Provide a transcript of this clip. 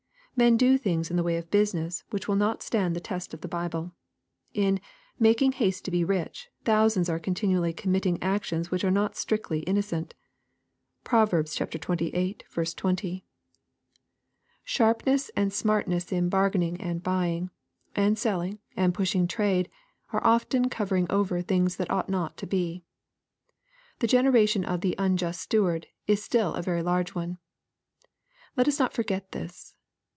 Men do things in the way of business, which will not stand the test of the Bible. In " making haste to be rich," thousands are continually committing actions which are not strictly innocent. (Prov. xxviii. 20.) LUKE, CHAP. XVI. 197 Sharpness and smartness^ in bargainiDg, and buying, and selling, and pushing trade, are often covering over things that ought not to be. The generation of " the unjust steward" is still a very large one. Let us not for get this.